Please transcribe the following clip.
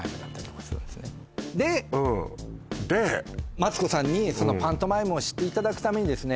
マツコさんにそのパントマイムを知っていただくためにですね